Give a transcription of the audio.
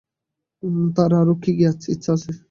তাঁর আরো কী ইচ্ছা আছে।